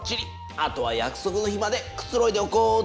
あとは約束の日までくつろいでおこうっと。